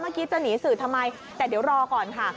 เมื่อกี้จะหนีสื่อทำไมแต่เดี๋ยวรอก่อนค่ะ